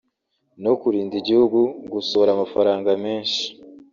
no kurinda igihugu gusohora amafaranga menshi